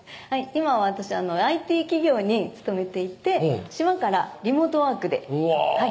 今は私ＩＴ企業に勤めていて島からリモートワークでうわ